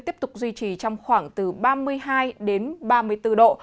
tiếp tục duy trì trong khoảng từ ba mươi hai đến ba mươi bốn độ